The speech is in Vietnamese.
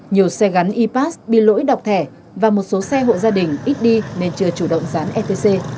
nhiều xe gắn ipas bị lỗi đọc thẻ và một số xe hộ gia đình ít đi nên chưa chủ động dán etc